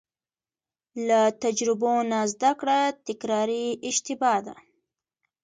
له تجربو نه زده کړه تکراري اشتباه ده.